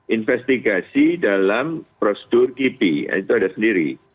investigasi dalam prosedur kipi itu ada sendiri